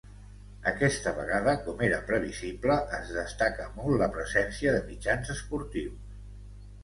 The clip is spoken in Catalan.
Aquesta vegada, com era previsible, es destaca molt la presència de mitjans esportius.